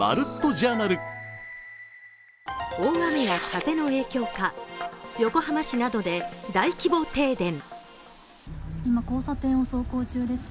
大雨の風の影響か、横浜市などで大規模停電。